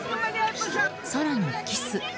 更にキス。